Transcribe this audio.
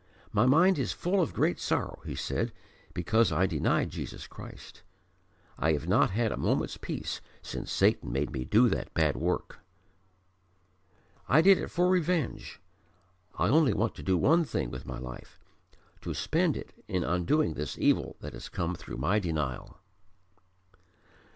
"My mind is full of great sorrow," he said, "because I denied Jesus Christ. I have not had a moment's peace since Satan made me do that bad work. I did it for revenge. I only want to do one thing with my life: to spend it in undoing this evil that has come through my denial."